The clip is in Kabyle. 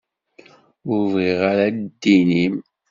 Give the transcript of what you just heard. Ur bɣiɣ ara ddin-im.